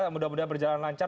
mudah mudahan berjalan lancar